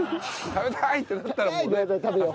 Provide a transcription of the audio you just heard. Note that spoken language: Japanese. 「食べたい」ってなったら食べよう。